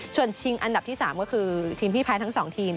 ส่วนชิงอันดับที่๓ก็คือทีมพี่แพ้ทั้ง๒ทีม